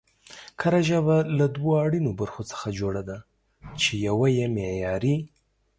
کره ژبه له دوو اړينو برخو څخه جوړه ده، چې يوه يې معياري